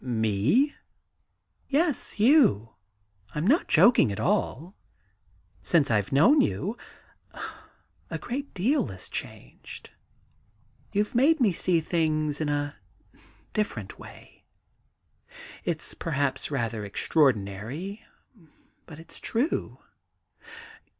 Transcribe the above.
*Me?' * Yes, you. I 'm not joking at alL Since I 've known you a great deal has changed. You've made 42 THE GARDEN GOD me see things in a different way. It 's perhaps rather extraordinary, but it's true.